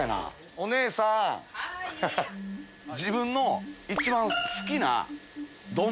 自分の一番好きな丼